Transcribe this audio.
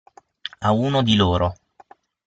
A uno di loro.